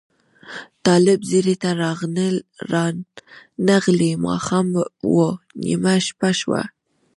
طالب ځیري ته رانغلې ماښام و نیمه شپه شوه